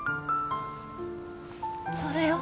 そうだよ。